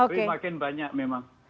tapi makin banyak memang